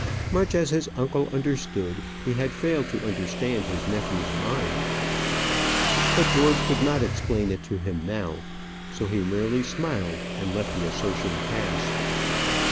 Much as his uncle understood, he had failed to understand his nephew's mind. But George could not explain it to him now; so he merely smiled, and let the assertion pass.